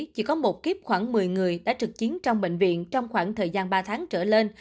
chỉ có một kíp khoảng một mươi người đã trực chiến trong bệnh viện trong khoảng thời gian ba tháng trở lên